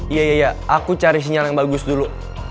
iya iya aku cari sinyal yang bagus dulu